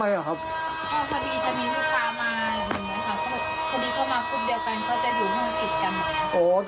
พอดีเขามาพูดเดียวกันเขาจะอยู่เมื่อกิจกัน